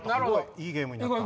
いいゲームになった。